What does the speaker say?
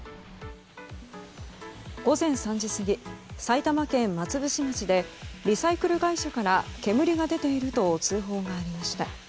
午前３時過ぎ埼玉県松伏町でリサイクル会社から煙が出ていると通報がありました。